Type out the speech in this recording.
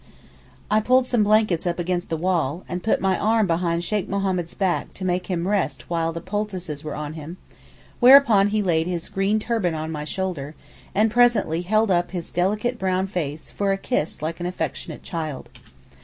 I pulled some blankets up against the wall, and put my arm behind Sheykh Mohammed's back to make him rest while the poultices were on him, whereupon he laid his green turban on my shoulder, and presently held up his delicate brown face for a kiss like an affectionate child.